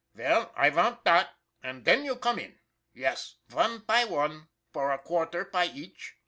Veil, I vant dot, und den you come in yess, one py one for a quarter py each."